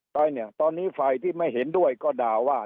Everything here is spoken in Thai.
ไปเนี่ยตอนนี้ฝ่ายที่ไม่เห็นด้วยก็ด่าว่า